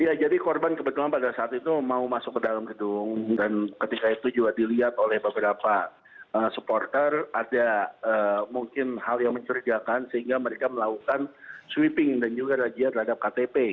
iya jadi korban kebetulan pada saat itu mau masuk ke dalam gedung dan ketika itu juga dilihat oleh beberapa supporter ada mungkin hal yang mencurigakan sehingga mereka melakukan sweeping dan juga rajia terhadap ktp